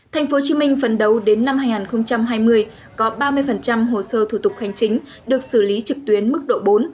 tp hcm phấn đấu đến năm hai nghìn hai mươi có ba mươi hồ sơ thủ tục hành chính được xử lý trực tuyến mức độ bốn